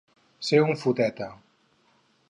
Ser un foteta.